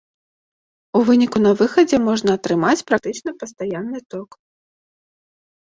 У выніку на выхадзе можна атрымаць практычна пастаянны ток.